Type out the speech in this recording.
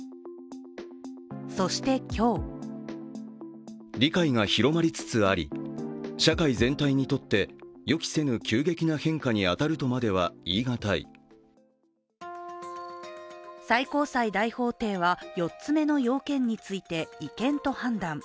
そして、今日最高裁大法廷は、４つ目の要件について違憲と判断。